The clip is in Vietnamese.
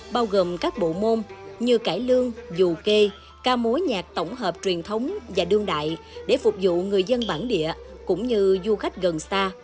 bao gồm các bộ môn như cải lương dù kê ca múa nhạc tổng hợp truyền thống và đương đại để phục vụ người dân bản địa cũng như du khách gần xa